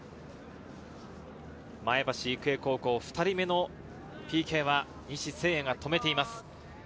前橋育英高校、２人目のＰＫは西星哉が止めています。